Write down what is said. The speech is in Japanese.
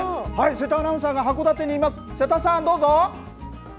瀬田アナウンサーが函館にいます。